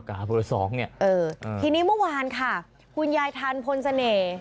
เบอร์สองเนี่ยเออทีนี้เมื่อวานค่ะคุณยายทันพลเสน่ห์